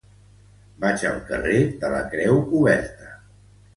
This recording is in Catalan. Vaig al carrer de la Creu Coberta.